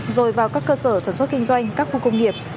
rồi vào các cơ sở sản xuất kinh doanh các khu công nghiệp